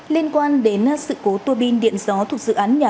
liên quan đến sự cố tua bin điện gió thuộc dự án nhà